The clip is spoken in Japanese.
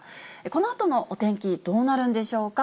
このあとのお天気、どうなるんでしょうか。